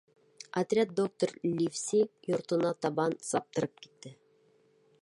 Отряд доктор Ливси йортона табан саптырып китте.